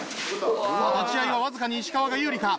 さあ立ち合いはわずかに石川が有利か。